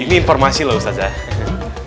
ini informasi loh ustadz